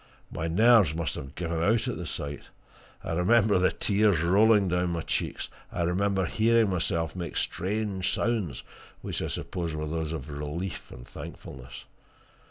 My nerves must have given out at the sight I remember the tears rolling down my cheeks; I remember hearing myself make strange sounds, which I suppose were those of relief and thankfulness.